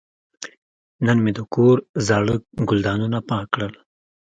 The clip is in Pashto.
نن مې د کور زاړه ګلدانونه پاک کړل.